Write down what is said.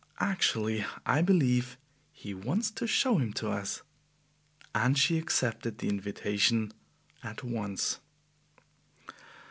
Actually, I believe he wants to show him to us." And she accepted the invitation at once.